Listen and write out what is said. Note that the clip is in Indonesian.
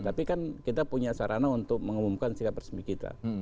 tapi kan kita punya sarana untuk mengumumkan sikap resmi kita